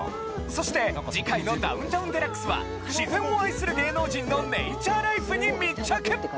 そして次回の『ダウンタウンＤＸ』は自然を愛する芸能人のネイチャーライフに密着！